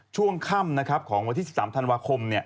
ช่วงค่ำของวันที่๑๓ธันวาคม